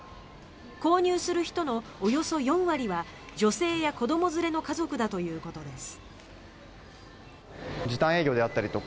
購入する人のおよそ４割は女性や子ども連れの家族だということです。